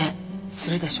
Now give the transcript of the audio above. するでしょ？